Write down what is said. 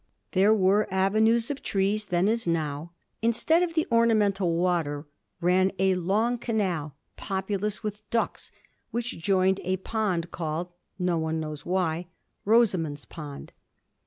There were avenues of trees then as now. Instead of the ornamental water ran a long canal, populous with ducks, which joined a pond called — ^no one knows why — Rosamund's Pond.